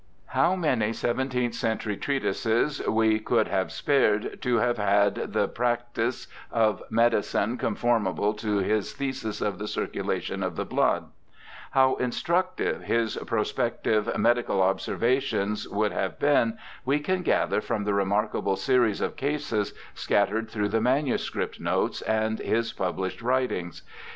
How many seventeenth century treatises we could have spared to have had the Practice of Medicine conformable to his Thesis of the Circulation of the Blood \ How instructive his prospective Medical Observations would have been we can gather from the remarkable series of cases scattered through the manu script notes and his published writings.